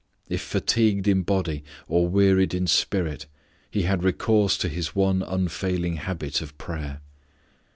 If fatigued in body or wearied in spirit, He had recourse to His one unfailing habit of _prayer.